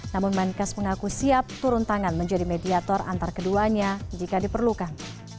namun menkes mengaku siap turun tangan menjadi mediator antar keduanya jika diperlukan